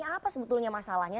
apa sebetulnya masalahnya